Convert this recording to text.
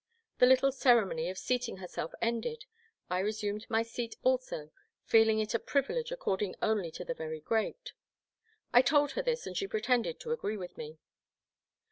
The little ceremony of seating herself ended, I resumed my seat also, feeling it a privilege accorded only to the very great. I told her this and she pretended to agree with me.